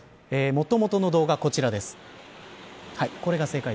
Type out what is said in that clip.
もともとの動画こちらです。